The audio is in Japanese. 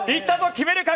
決めるか？